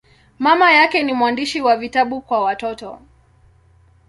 Mama yake ni mwandishi wa vitabu kwa watoto.